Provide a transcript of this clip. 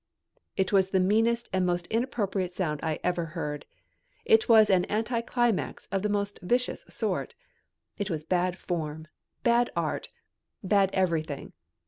It was the meanest and most inappropriate sound I ever heard. It was an anti climax of the most vicious sort. It was bad form, bad art, bad everything.